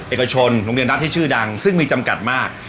เอกชนโรงเรียนรัฐที่ชื่อดังซึ่งมีจำกัดมาก